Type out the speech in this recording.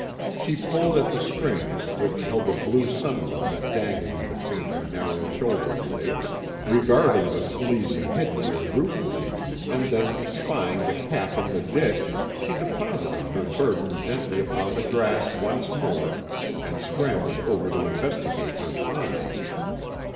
She pulled at the strings which held a blue sunbonnet dangling between her narrow shoulder blades, regarded the sleazy headgear ruefully, and then spying the cap in the ditch, she deposited her burden gently upon the grass once more and scrambled over to investigate her find.